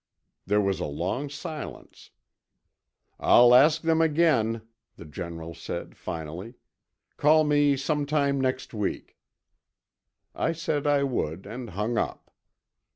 There was a long silence. "I'll ask them again," the General said finally. "Call me sometime next week." I said I would, and hung up.